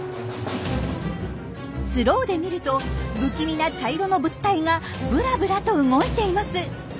スローで見ると不気味な茶色の物体がブラブラと動いています。